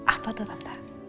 apa tuh tante